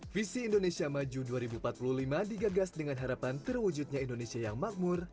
visi indonesia maju dua ribu empat puluh lima digagas dengan harapan terwujudnya indonesia yang makmur